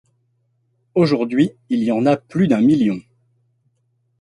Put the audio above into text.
Aujourd'hui, il y en a plus d'un million.